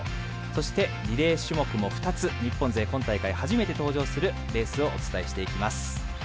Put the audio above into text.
そして、リレー種目も２つ日本勢、今大会初めて登場するレースをお伝えしていきます。